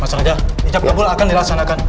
mas raja di cap kabul akan diraksanakan